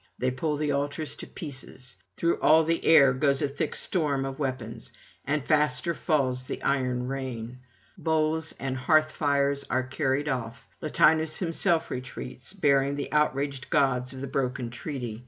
They pull the altars to pieces; through all the air goes a thick storm of weapons, and faster falls the iron rain. Bowls and hearth fires are carried off; Latinus himself retreats, bearing the outraged gods of the broken treaty.